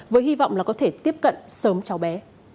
với hy vọng là có thể tiếp cận sớm cháu bé